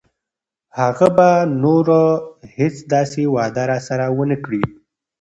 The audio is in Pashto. هغه به نوره هیڅ داسې وعده راسره ونه کړي.